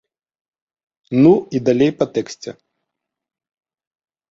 Ну і далей па тэксце.